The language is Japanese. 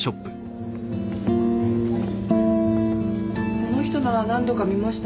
この人なら何度か見ました。